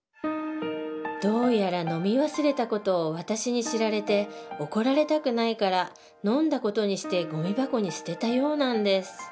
どうやら飲み忘れた事を私に知られて怒られたくないから飲んだ事にしてごみ箱に捨てたようなんです